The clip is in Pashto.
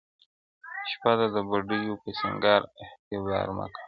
شپه ده د بوډیو په سینګار اعتبار مه کوه؛